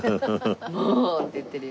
もう！って言ってるよ。